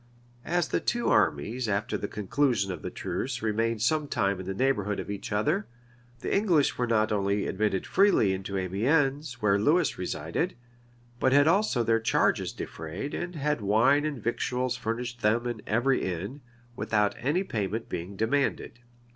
As the two armies, after the conclusion of the truce remained some time in the neighborhood of each other, the English were not only admitted freely into Amiens, where Lewis resided, but had also their charges defrayed, and had wine and victuals furnished them in every inn, without any payment being demanded.